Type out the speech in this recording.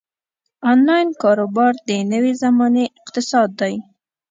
انلاین کاروبار د نوې زمانې اقتصاد دی.